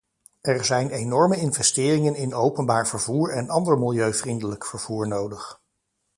Er zijn enorme investeringen in openbaar vervoer en ander milieuvriendelijk vervoer nodig.